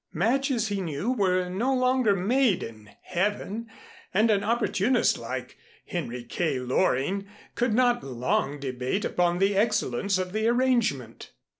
Matches he knew were no longer made in Heaven and an opportunist like Henry K. Loring could not long debate upon the excellence of the arrangement.